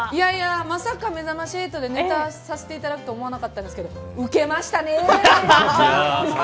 まさか、めざまし８でネタをさせていただけると思わなかったですけどウケましたね。